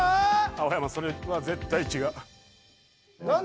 青山それは絶対違う。